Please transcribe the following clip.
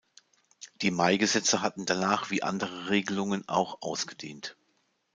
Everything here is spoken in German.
Die Maigesetze hatten danach wie andere Regelungen auch ausgedient.